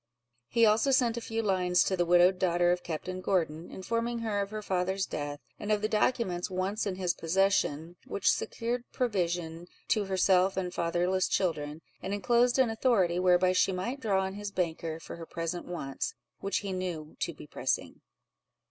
He also sent a few lines to the widowed daughter of Captain Gordon, informing her of her father's death, and of the documents once in his possession, which secured provision to herself and fatherless children; and enclosed an authority, whereby she might draw on his banker for her present wants, which he knew to be pressing.